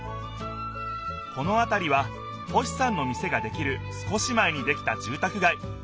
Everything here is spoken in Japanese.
このあたりは星さんの店ができる少し前にできたじゅうたくがい。